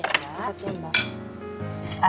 terima kasih mbak